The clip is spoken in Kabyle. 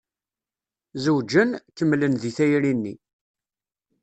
Zewǧen. Kemmlen di tayri-nni.